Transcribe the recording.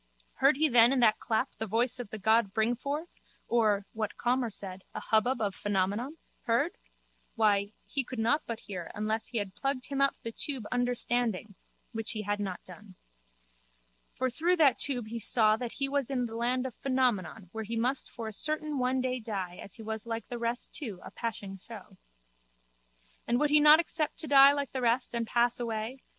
Heard he then in that clap the voice of the god Bringforth or, what Calmer said, a hubbub of Phenomenon? Heard? Why, he could not but hear unless he had plugged him up the tube Understanding (which he had not done). For through that tube he saw that he was in the land of Phenomenon where he must for a certain one day die as he was like the rest too a passing show. And would he not accept to die like the rest and pass away?